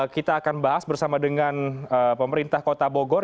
kita akan bahas bersama dengan pemerintah kota bogor